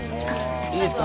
いいですか？